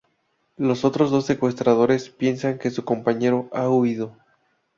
Los otros dos secuestradores piensan que su compañero ha huido.